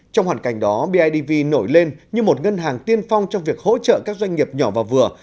trong hoàn cảnh đó bidv nổi lên như một ngân hàng tiên phong trong việc hỗ trợ các doanh nghiệp nhỏ và vừa